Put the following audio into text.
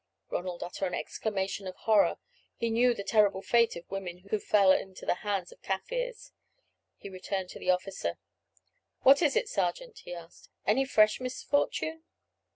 Ronald uttered an exclamation of horror; he knew the terrible fate of women who fell into the hands of the Kaffirs. He returned to the officer. "What is it, sergeant?" he asked. "Any fresh misfortune?"